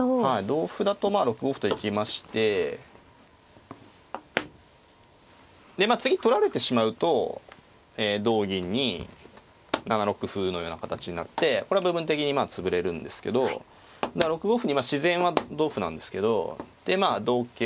同歩だと６五歩と行きましてでまあ次取られてしまうと同銀に７六歩のような形になってこれは部分的に潰れるんですけど６五歩に自然は同歩なんですけどでまあ同桂